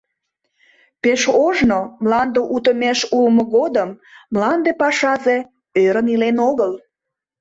Пеш ожно, мланде утымеш улмо годым, мланде пашазе ӧрын илен огыл.